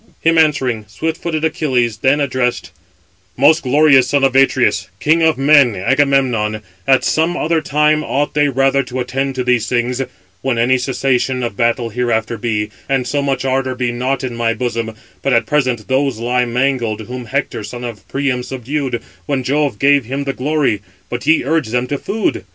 Him answering, swift footed Achilles then addressed: "Most glorious son of Atreus, king of men, Agamemnon, at some other time ought they rather to attend to these things, when any cessation of battle hereafter be, and so much ardour be not in my bosom: but at present those lie mangled, whom Hector, son of Priam, subdued, when Jove gave him the glory: but ye urge [them] to food!